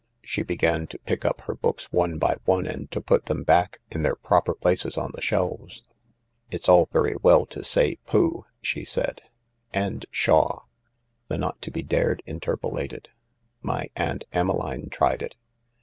She began to pick up her books one by one and to put them back in their proper places on the shelves. " It's all very well to say * pooh !'" she said. "' And pshaw !'" the not to^be dared interpolated. " My Aunt Emmeline tried it.